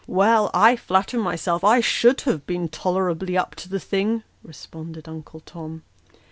"Well, I flatter myself, I should have been tolerably up to the thing," responded Uncle Tom.